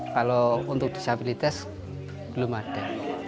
kalau untuk disabilitas belum ada